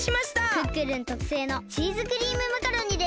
クックルンとくせいのチーズクリームマカロニです！